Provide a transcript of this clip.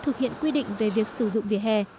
thực hiện quy định về việc sử dụng vỉa hè